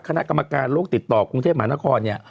คณะกรรมการโลกติดต่อกรุงเทพมหานครเนี่ย